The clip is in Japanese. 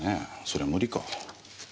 それは無理か。